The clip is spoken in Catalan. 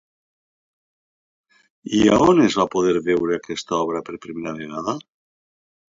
I a on es va poder veure aquesta obra per primer cop?